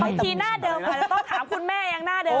เมื่อกี้หน้าเดิมแต่ต้องถามคุณแม่ยังหน้าเดิม